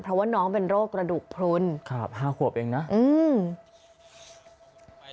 เพราะว่าน้องเป็นโรคกระดูกพลุนครับห้าขวบเองนะอืม